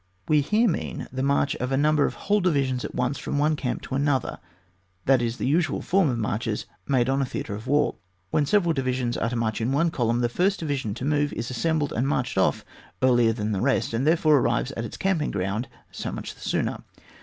We here mean the march of a number of whole divisions at once, from one camp to another, for that is the usual form of marches made on a theati'e of war. When several divisions are to march in one column, the first division to move is as sembled and marched off earlier than the rest, and therefore arrives at its camping ground so much the sooner.